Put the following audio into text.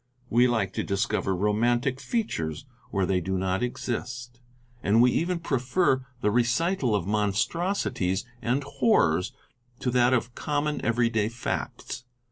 We lke to discover romantic features where they do not exist and we even prefer the recital of monstrosities and horrors to that of common every day facts.